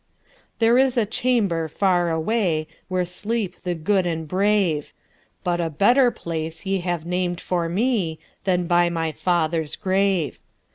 "There is a chamber far awayWhere sleep the good and brave, But a better place ye have nam'd for meThan by my father's grave.